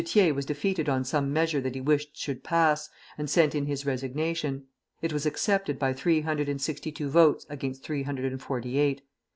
Thiers was defeated on some measure that he wished should pass, and sent in his resignation. It was accepted by three hundred and sixty two votes against three hundred and forty eight.